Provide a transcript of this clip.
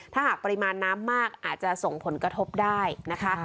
ถ้าหากปริมาณน้ำมากอาจจะส่งผลกระทบได้นะคะ